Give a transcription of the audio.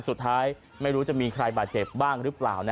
สุดท้ายไม่รู้จะมีใครบาดเจ็บบ้างหรือเปล่า